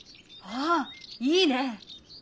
ああいいね！